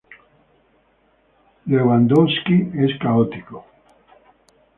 Lewandowski es católico.